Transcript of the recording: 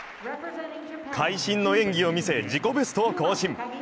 会心の演技を見せ、自己ベストを更新。